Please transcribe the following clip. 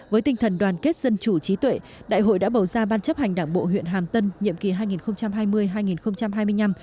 với tinh thần đoàn kết dân chủ trí tuệ đại hội đã bầu ra ban chấp hành đảng bộ huyện hàm tân nhiệm kỳ hai nghìn hai mươi hai nghìn hai mươi năm